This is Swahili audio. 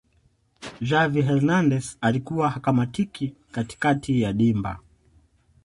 xavi hernandez alikuwa hakamatiki katikati ya dimba